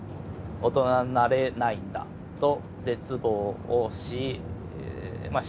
大人になれないんだと絶望をしまあ